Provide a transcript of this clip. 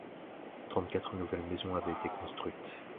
Trente-quatre nouvelles maisons avaient été construites.